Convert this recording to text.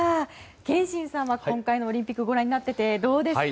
憲伸さんは今回のオリンピックご覧になっていてどうですか？